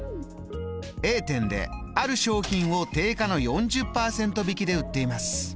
Ａ店である商品を定価の４０％引きで売っています。